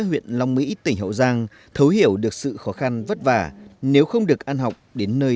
huyện long mỹ tỉnh hậu giang thấu hiểu được sự khó khăn vất vả nếu không được ăn học đến nơi